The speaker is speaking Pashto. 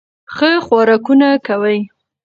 ښه خوراکونه کوي